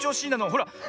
ほら。